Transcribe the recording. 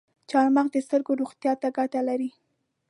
چارمغز د سترګو روغتیا ته ګټه لري.